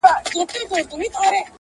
خواهشات، ځان ښودنه